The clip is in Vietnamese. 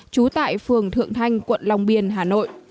trú tại phường thượng thanh quận long biên hà nội